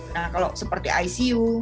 nah kalau seperti icu